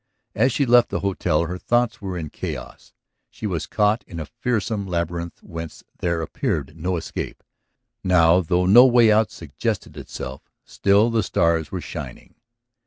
As she left the hotel her thoughts were in chaos; she was caught in a fearsome labyrinth whence there appeared no escape. Now, though no way out suggested itself, still the stars were shining.